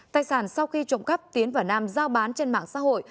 tài sản sau khi trộm cắp tiến và nam giao bán trên mạng xã hội